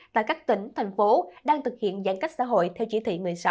tại các tỉnh thành phố đang thực hiện giãn cách xã hội theo chỉ thị một mươi sáu